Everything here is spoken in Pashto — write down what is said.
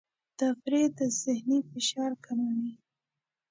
تفریح د ذهني فشار کموي.